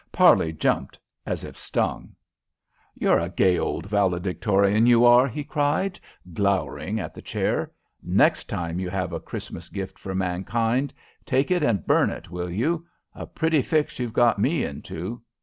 Parley jumped as if stung. "You're a gay old valedictorian, you are!" he cried, glowering at the chair. "Next time you have a Christmas gift for mankind, take it and burn it, will you? A pretty fix you've got me into."